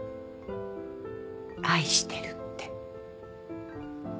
「愛してる」って。